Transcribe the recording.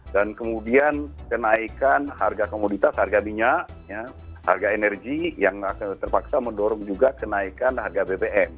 dan kemudian kenaikan harga komoditas harga minyak harga energi yang terpaksa mendorong juga kenaikan harga bbm